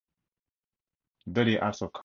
Duddy also coached the team.